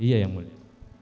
iya yang mulia